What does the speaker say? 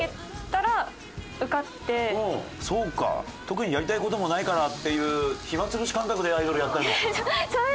特にやりたい事もないからっていう暇潰し感覚でアイドルやってるの？